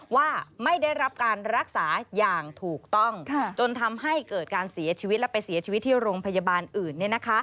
ว่าไม่ได้รับการรักษาอย่างถูกต้องจนทำให้เกิดการเสียชีวิตและไปเสียชีวิตที่โรงพยาบาลอื่น